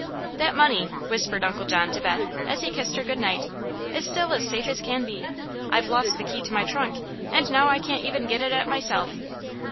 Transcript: "That money," whispered Uncle John to Beth, as he kissed her good night, "is still as safe as can be. I've lost the key to my trunk, and now I can't even get at it myself."